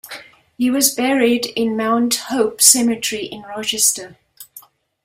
He was buried in Mount Hope Cemetery in Rochester.